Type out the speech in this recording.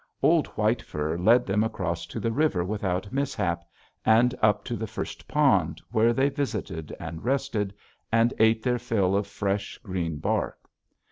Old White Fur led them across to the river without mishap, and up to the first pond, where they visited, and rested, and ate their fill of fresh, green bark.